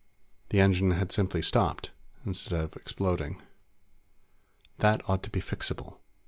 The engine had simply stopped instead of exploding. That ought to be fixable.